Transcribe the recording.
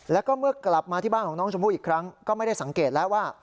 แล้วก็เมื่อกลับมาที่บ้านของน้องชมพู่อีกครั้งก็ไม่ได้สังเกตแล้วว่า